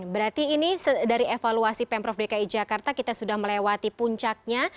berarti ini dari evaluasi pemprov dki jakarta kita sudah melewati puncaknya